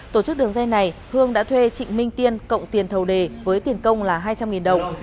tổ chức đường dây này hương đã thuê trịnh minh tiên cộng tiền thầu đề với tiền công là hai trăm linh đồng